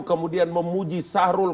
kemudian memuji sahrul